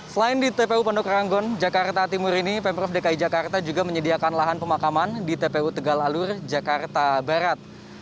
selain di tpu pondok ranggon jakarta timur ini pemprov dki jakarta juga menyediakan lahan pemakaman di tpu tegal alur jakarta barat